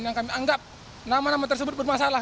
yang kami anggap nama nama tersebut bermasalah